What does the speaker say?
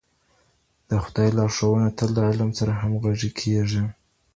د خدای لارښوونه تل د علم سره همغږي کیږي.